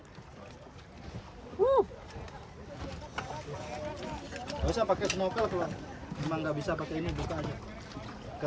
tidak usah pakai snorkel cuma tidak bisa pakai ini buka saja